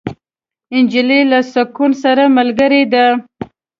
نجلۍ له سکون سره ملګرې ده.